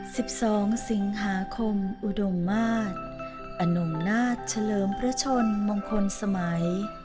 สิบสองสิงหาคมอุดมมาศอนงนาฏเฉลิมพระชนมงคลสมัย